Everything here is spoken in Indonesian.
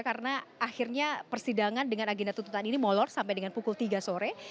karena akhirnya persidangan dengan agenda tutupan ini molor sampai dengan pukul tiga sore